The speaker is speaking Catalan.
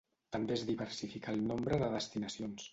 També es diversificà el nombre de destinacions.